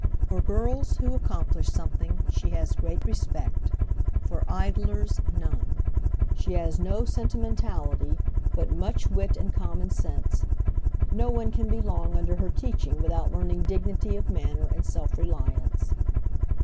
For girls who accomplish something, she has great respect; for idlers, none. She has no sentimentality, but much wit and common sense. No one can be long under her teaching without learning dignity of manner and self reliance."